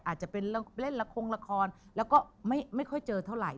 อาจจะเป็นเล่นละครละครแล้วก็ไม่ค่อยเจอเท่าไหร่